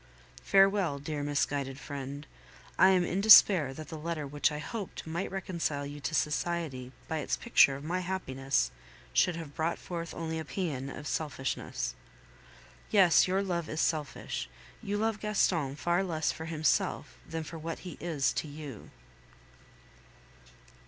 Farewell, dear misguided friend. I am in despair that the letter which I hoped might reconcile you to society by its picture of my happiness should have brought forth only a paean of selfishness. Yes, your love is selfish; you love Gaston far less for himself than for what he is to you.